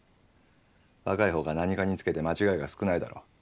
若い方が何かにつけて間違いが少ないだろう。